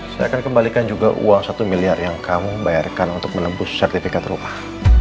saya akan kembalikan juga uang satu miliar yang kamu bayarkan untuk menembus sertifikat rumah